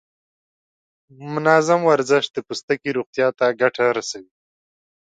منظم ورزش د پوستکي روغتیا ته ګټه رسوي.